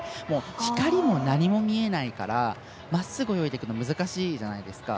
光も何も見えないからまっすぐ泳いでいくの難しいじゃないですか。